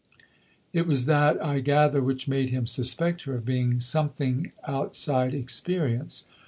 It was that, I gather, which made him suspect her of being something outside experience.